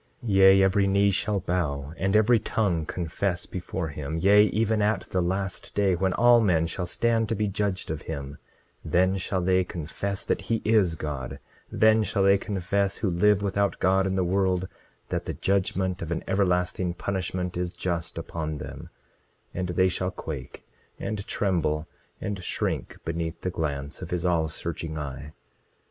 27:31 Yea, every knee shall bow, and every tongue confess before him. Yea, even at the last day, when all men shall stand to be judged of him, then shall they confess that he is God; then shall they confess, who live without God in the world, that the judgment of an everlasting punishment is just upon them; and they shall quake, and tremble, and shrink beneath the glance of his all searching eye.